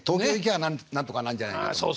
あなんとかなんじゃないかと思って。